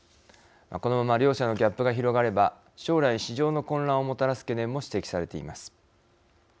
このまま両者のギャップが広がれば将来市場の混乱をもたらす懸念も指摘されています。